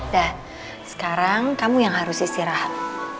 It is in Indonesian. nah sekarang kamu yang harus istirahat